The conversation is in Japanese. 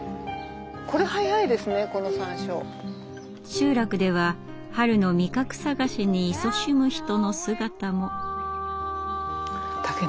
集落では春の味覚探しにいそしむ人の姿も。